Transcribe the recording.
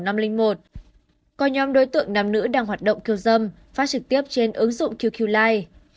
có nhóm đối tượng nam nữ đang hoạt động khiêu dâm phát trực tiếp trên ứng dụng qq li